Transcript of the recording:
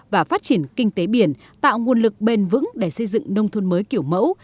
và phát triển kinh tế biển tạo nguồn lực bền vững để xây dựng nông thôn mới kiểu mẫu